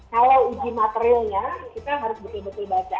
kalau uji materialnya kita harus betul betul baca